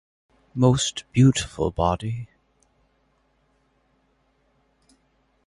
Most Beautiful Body.